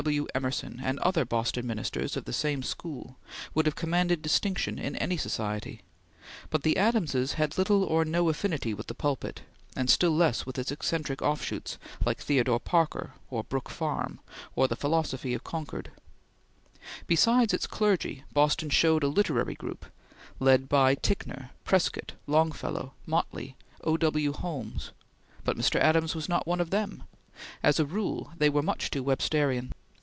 W. Emerson, and other Boston ministers of the same school, would have commanded distinction in any society; but the Adamses had little or no affinity with the pulpit, and still less with its eccentric offshoots, like Theodore Parker, or Brook Farm, or the philosophy of Concord. Besides its clergy, Boston showed a literary group, led by Ticknor, Prescott, Longfellow, Motley, O. W. Holmes; but Mr. Adams was not one of them; as a rule they were much too Websterian.